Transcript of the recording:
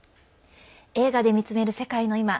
「映画で見つめる世界のいま」